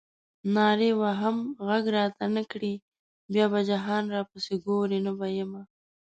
نارې وهم غږ راته نه کړې بیا به جهان راپسې ګورې نه به یمه.